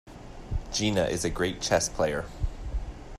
Gina is a great chess player.